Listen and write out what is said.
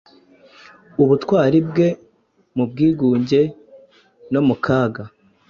ubutwari bwe mu bwigunge no mu kaga